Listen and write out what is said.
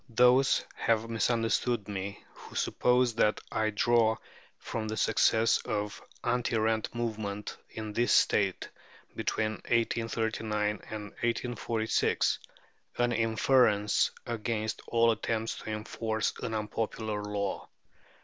Those have misunderstood me who suppose that I draw from the success of the anti rent movement in this State between 1839 and 1846 an inference against "all attempts to enforce an unpopular law."